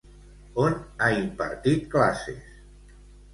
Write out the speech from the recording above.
On ha impartit classes?